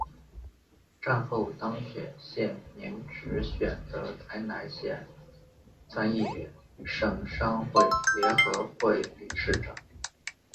战后当选县民直选的台南县参议员省商会联合会理事长。